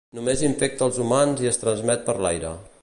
Només infecta els humans i es transmet per l'aire.